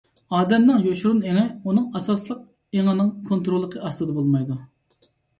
ئادەمنىڭ يوشۇرۇن ئېڭى ئۇنىڭ ئاساسلىق ئېڭىنىڭ كونتروللۇقى ئاستىدا بولمايدۇ.